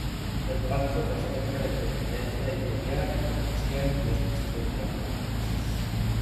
El pacto respeta la independencia editorial, comercial y de gestión de ambas empresas.